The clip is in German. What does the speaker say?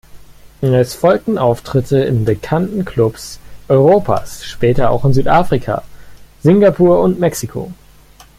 Es folgten Auftritte in bekannten Clubs Europas, später auch in Südafrika, Singapur und Mexiko.